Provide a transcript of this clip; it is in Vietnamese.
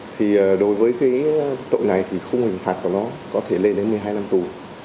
thì đối với cái tội này thì khung hình phạt của nó có thể lên đến một mươi hai năm tù